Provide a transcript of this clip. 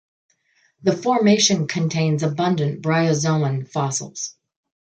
The formation contains abundant bryozoan fossils.